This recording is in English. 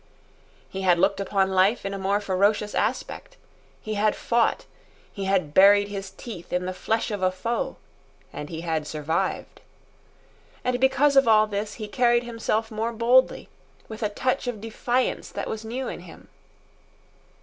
He had looked upon life in a more ferocious aspect; he had fought; he had buried his teeth in the flesh of a foe; and he had survived. And because of all this, he carried himself more boldly, with a touch of defiance that was new in him.